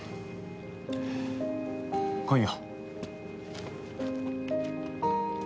来いよ。